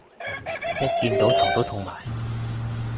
一見到頭都痛埋